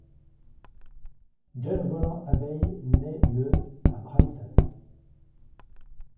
John Roland Abbaye naît le à Brighton.